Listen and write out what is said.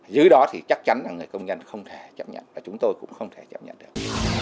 dưới đó thì chắc chắn là người công nhân không thể chấp nhận và chúng tôi cũng không thể chấp nhận được